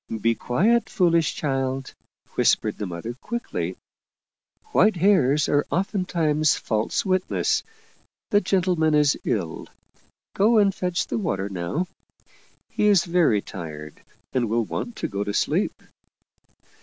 " Be quiet, foolish child," whispered the mother quickly. " White hairs are oftentimes false witnesses. The gentle man is ill. Go and fetch the water now. He is very tired and will want to go to sleep."